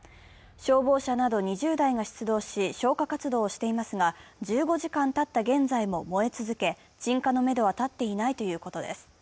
消防車など２０台が出動し消火活動をしていますが１５時間たった現在も燃え続け、鎮火のめどは立っていないということです。